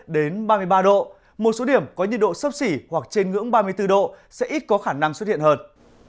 đến ba mươi ba độ một số điểm có nhiệt độ sấp xỉ hoặc trên ngưỡng ba mươi bốn độ sẽ ít có khả năng xuất hiện hơn